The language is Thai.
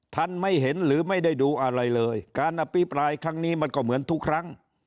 ท่านไม่เห็นหรือไม่ได้ดูอะไรเลยการอภิปรายครั้งนี้มันก็เหมือนทุกครั้ง